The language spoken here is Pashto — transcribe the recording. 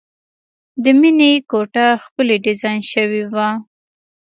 د مینې کوټه ښکلې ډیزاین شوې وه